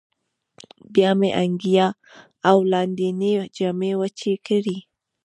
بیا مې انګیا او لاندینۍ جامې وچې کړې.